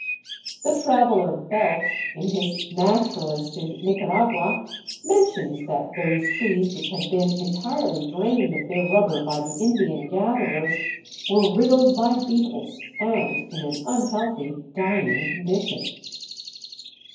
The traveller Belt, in his Naturalist in Nicaragua, mentions that those trees which had been entirely drained of their rubber by the Indian gatherers were riddled by beetles, and in an unhealthy, dying condition.